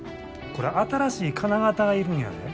これ新しい金型が要るんやで。